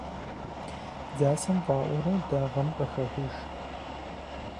Дзасэм фӀаӀуурэ дагъэм къыхахыж.